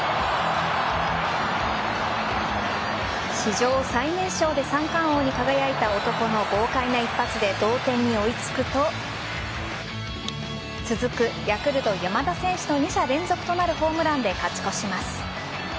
史上最年少で三冠王に輝いた男の豪快な一発で同点に追いつくと続くヤクルト・山田選手の二者連続となるホームランで勝ち越します。